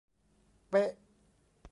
เป๊ะ